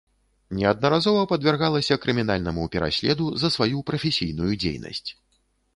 Неаднаразова падвяргалася крымінальнаму пераследу за сваю прафесійную дзейнасць.